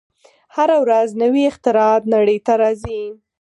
هره ورځ نوې اختراعات نړۍ ته راځي.